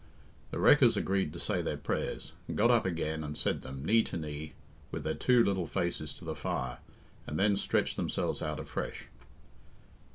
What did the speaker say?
The wreckers agreed to say their prayers, and got up again and said them, knee to knee, with their two little faces to the fire, and then stretched themselves out afresh.